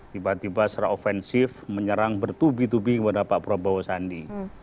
tiba tiba secara ofensif menyerang bertubi tubi kepada pak prabowo sandi